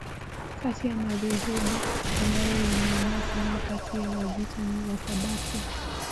Kati ya madhehebu ambayo yameenea sana kati ya Wajita ni Wasabato